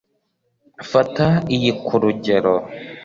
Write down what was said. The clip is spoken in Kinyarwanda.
Fata iyi kurugero